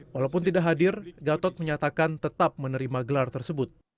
walaupun tidak hadir gatot menyatakan tetap menerima gelar tersebut